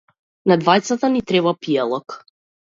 На двајцата ни треба пијалок.